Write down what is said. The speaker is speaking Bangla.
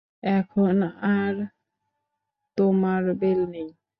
এখন আর তোমার বেল নেই।